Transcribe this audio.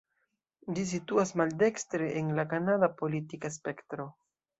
Ĝi situas maldekstre en la kanada politika spektro.